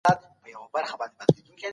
موږ د شخصیت جوړونې لپاره ډیرې هڅې کړې دي.